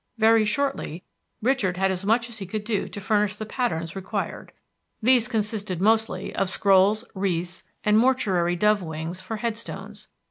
Very shortly Richard had as much as he could do to furnish the patterns required. These consisted mostly of scrolls, wreaths, and mortuary dove wings for head stones.